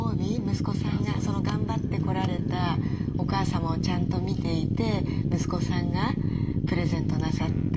息子さんが頑張ってこられたお母様をちゃんと見ていて息子さんがプレゼントなさって。